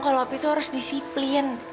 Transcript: kalau api itu harus disiplin